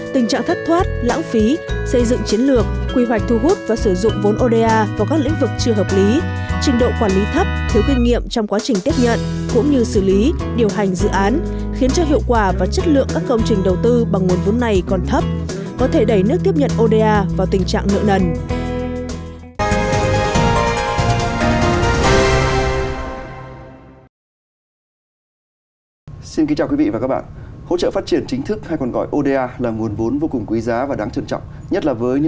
tình trạng thất thoát lãng phí xây dựng chiến lược quy hoạch thu hút và sử dụng vốn oda vào các lĩnh vực chưa hợp lý trình độ quản lý thấp thiếu kinh nghiệm trong quá trình tiếp nhận cũng như xử lý điều hành dự án khiến cho hiệu quả và chất lượng các công trình đầu tư bằng nguồn vốn này còn thấp có thể đẩy nước tiếp nhận oda vào tình trạng ngựa nần